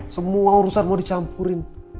semua urusan mau dicampurin